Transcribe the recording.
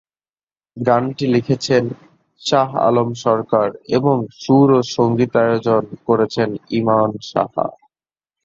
গানটি লিখেছেন শাহ আলম সরকার এবং সুর ও সঙ্গীতায়োজন করেছে ইমন সাহা।